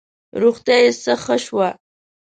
روغتیا یې څه ښه شوه.